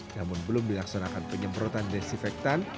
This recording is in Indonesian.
namun belum dilaksanakan penyemprotan desinfektan